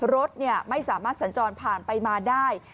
รถไม่สามารถสัญจรผ่านไปมาได้